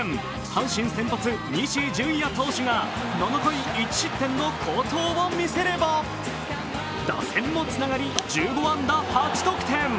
阪神先発・西純矢投手が７回１失点の好投を見せれば打線もつながり１５安打８得点。